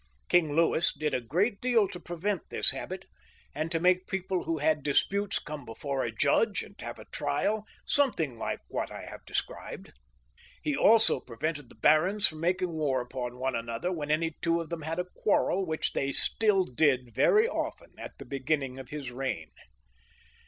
King Louis did a great deal to prevent this habit, and to make people who had disputes come before a judge and have a trial, something like what I have described. He also prevented the barons from making war upon one another when any two of them had a quarrel; which they still did very often at the beginning of his reign.